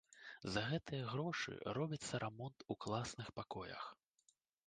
За гэтыя грошы робіцца рамонт у класных пакоях.